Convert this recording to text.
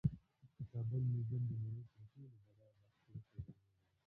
د کابل میوزیم د نړۍ تر ټولو بډایه باختري خزانې لري